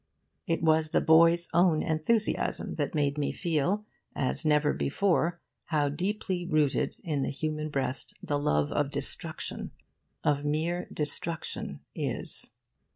It was the boy's own enthusiasm that made me feel, as never before, how deep rooted in the human breast the love of destruction, of mere destruction, is.